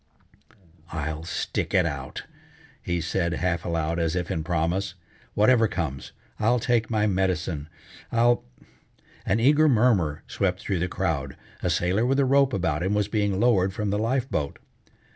"I'll stick it out!" he said half aloud as if in promise. "Whatever comes, I'll take my medicine, I'll " An eager murmur swept through the crowd. A sailor with a rope about him was being lowered from the life boat.